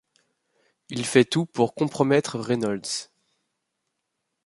Il fait tout pour compromettre Reynolds.